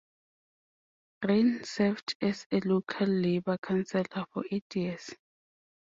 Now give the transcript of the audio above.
Ryan served as a local Labour Councillor for eight years.